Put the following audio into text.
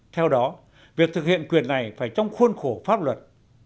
theo đó việc thực hiện quyền này phải trong khuôn khổ pháp luật